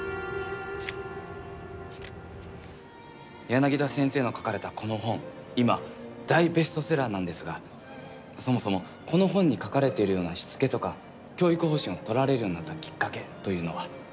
柳田先生の書かれたこの本今大ベストセラーなんですがそもそもこの本に書かれているようなしつけとか教育方針を取られるようになったきっかけというのは？